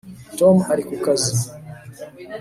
tom ari ku kazi